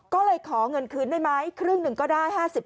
ก็เลยขอเงินคืนได้ไหมครึ่งหนึ่งก็ได้๕๐